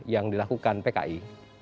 yang dilakukan pki